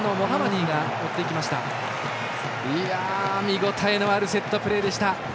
見応えのあるセットプレーでした。